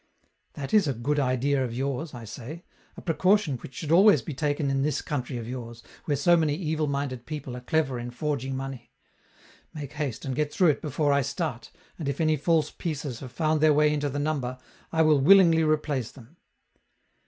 "That is a good idea of yours," I say; "a precaution which should always be taken in this country of yours, where so many evil minded people are clever in forging money. Make haste and get through it before I start, and if any false pieces have found their way into the number, I will willingly replace them."